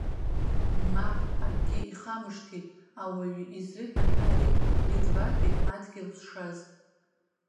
Мап, акгьы ихамышҭит ауаҩы изыҳәан ари, литватәи адгьыл зшаз!